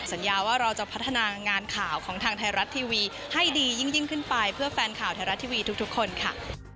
สัญญาว่าเราจะพัฒนางานข่าวของทางไทยรัฐทีวีให้ดียิ่งขึ้นไปเพื่อแฟนข่าวไทยรัฐทีวีทุกคนค่ะ